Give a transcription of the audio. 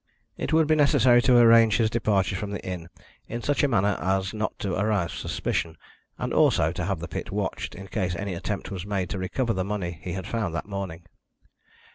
It would be necessary to arrange his departure from the inn in such a manner as not to arouse suspicion, and also to have the pit watched in case any attempt was made to recover the money he had found that morning.